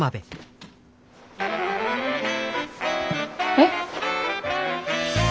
えっ。